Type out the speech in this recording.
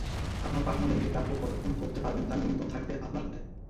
আপনার পাঠানো মেইলটি প্রাপক কতক্ষণ পড়তে পারবেন তার নিয়ন্ত্রণ থাকবে আপনার হাতে।